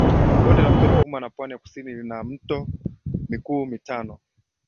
Bonde la Mto Ruvuma na Pwani ya Kusini lina mito mikuu mitano